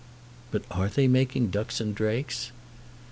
"But are they making ducks and drakes?"